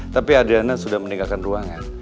tapi adriana sudah meninggalkan ruangan